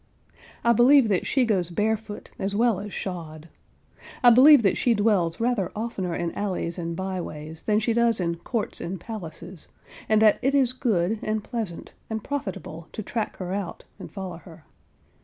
I believe that she goes barefoot as well as shod. I believe that she dwells rather oftener in alleys and by ways than she does in courts and palaces, and that it is good, and pleasant, and profitable to track her out, and follow her.